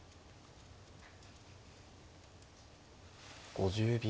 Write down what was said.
５０秒。